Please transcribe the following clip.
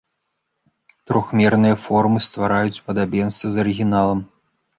Трохмерныя формы ствараюць падабенства з арыгіналам.